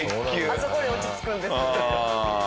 あそこに落ち着くんですね。